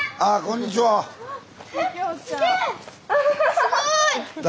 すごい！誰？